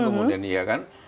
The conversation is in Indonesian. kemudian ya kan